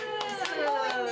すごいね。